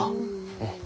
うん。